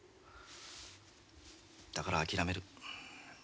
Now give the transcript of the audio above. だから諦める。